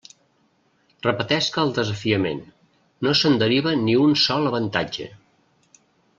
Repetesc el desafiament; no se'n deriva ni un sol avantatge.